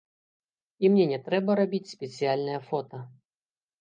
І мне не трэба рабіць спецыяльныя фота.